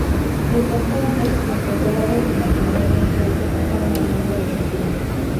Desde entonces, las propiedades del matrimonio en Suecia pasaron a nombre de Sofía.